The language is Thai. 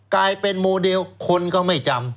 กลายเป็นโมเดลคนก็ไม่จำ